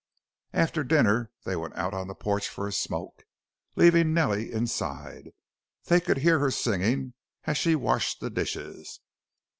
After dinner they went out on the porch for a smoke, leaving Nellie inside. They could hear her singing as she washed the dishes.